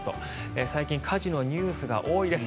最近火事のニュースが多いです。